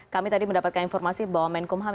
kami tadi mendapatkan informasi bahwa menkumham